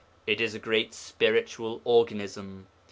It is a great spiritual organism.